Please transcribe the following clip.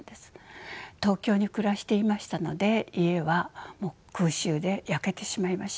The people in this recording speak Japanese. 東京に暮らしていましたので家は空襲で焼けてしまいました。